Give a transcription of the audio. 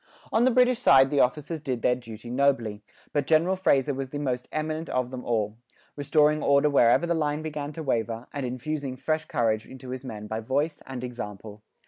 On the British side the officers did their duty nobly; but General Fraser was the most eminent of them all, restoring order wherever the line began to waver, and infusing fresh courage into his men by voice and example.